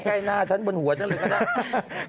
ใกล้หน้าฉันบนหัวฉันเลยก็ได้